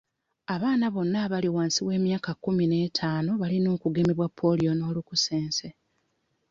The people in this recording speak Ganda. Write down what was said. Abaana bonna abali wansi w'emyaka kkumi n'etaano balina okugemebwa ppoliyo n'olukusense.